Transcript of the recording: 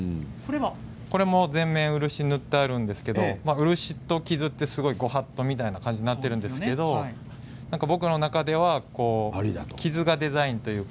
これも全面漆が塗ってあるんですけど漆と傷ってごはっとみたいになっているんですけど僕の中では傷がデザインというか